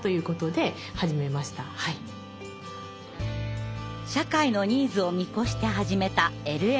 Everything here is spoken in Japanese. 社会のニーズを見越して始めたＬＬブック作り。